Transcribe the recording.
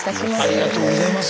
ありがとうございます